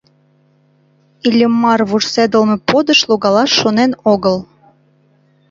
Иллимар вурседылме подыш логалаш шонен огыл.